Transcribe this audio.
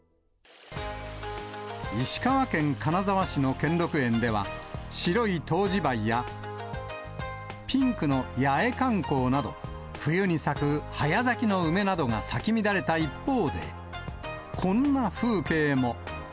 石川県金沢市の兼六園では、白い冬至梅や、ピンクの八重寒紅など、冬に咲く早咲きの梅などが咲き乱れた一方で、こんな風景も。